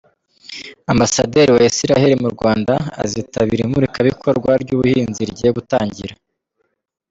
Ambasaderi wa Israel mu Rwanda azitabira imurikabikorwa ry’ ubuhinzi rigiye gutangira.